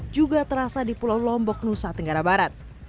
juga terasa di pulau lombok nusa tenggara barat